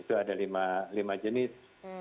itu ada lima jenis